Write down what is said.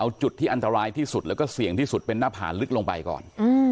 เอาจุดที่อันตรายที่สุดแล้วก็เสี่ยงที่สุดเป็นหน้าผาลึกลงไปก่อน